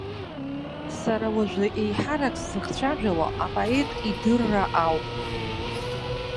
Сара уажәы еиҳарак сзыхцәажәауа апоет идырра ауп.